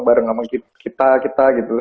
bareng sama kita kita gitu